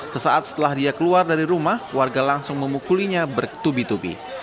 sesaat setelah dia keluar dari rumah warga langsung memukulinya bertubi tubi